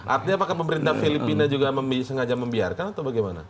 artinya apakah pemerintah filipina juga sengaja membiarkan atau bagaimana